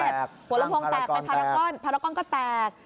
หัวละพรงตร์แตกปาราก้อนตร์ก็แตก